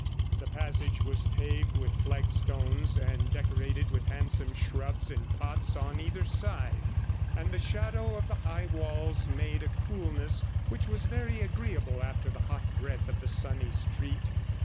The passage was paved with flagstones, and decorated with handsome shrubs in pots on either side, and the shadow of the high walls made a coolness which was very agreeable after the hot breath of the sunny street.